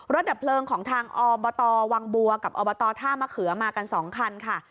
ดับเพลิงของทางอบตวังบัวกับอบตท่ามะเขือมากัน๒คันค่ะ